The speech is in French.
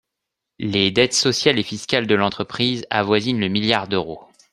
Les dettes sociales et fiscales des entreprises avoisinent le milliard d’euros.